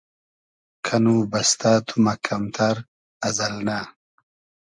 کئنو بئستۂ تو مئکئم تئر از النۂ